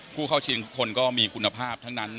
ผู้เข้าชิงทุกคนก็มีคุณภาพทั้งนั้น